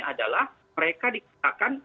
adalah mereka dikatakan